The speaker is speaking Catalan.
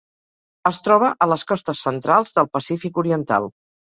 Es troba a les costes centrals del Pacífic oriental.